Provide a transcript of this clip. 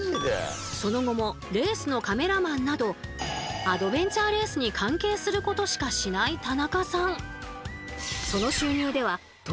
その後もレースのカメラマンなどアドベンチャーレースに関係することしかしない田中さん。